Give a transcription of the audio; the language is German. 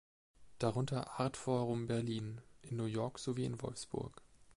Darunter „Artforum Berlin“ in New York sowie in Wolfsburg.